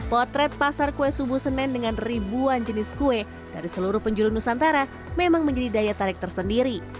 potret pasar kue subuh senen dengan ribuan jenis kue dari seluruh penjuru nusantara memang menjadi daya tarik tersendiri